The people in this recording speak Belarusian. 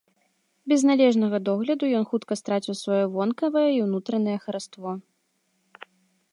Без належнага догляду ён хутка страціў сваё вонкавае і ўнутранае хараство.